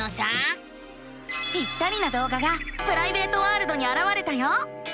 ぴったりなどうががプライベートワールドにあらわれたよ。